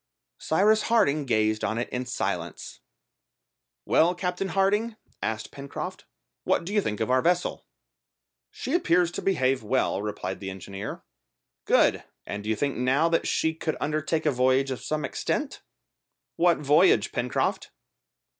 Cyrus Harding gazed on it in silence. "Well, Captain Harding," asked Pencroft, "what do you think of our vessel?" "She appears to behave well," replied the engineer. "Good! And do you think now that she could undertake a voyage of some extent?" "What voyage, Pencroft?"